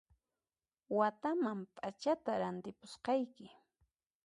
Wataman p'achata rantipusqayki